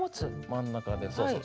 真ん中でそうそう。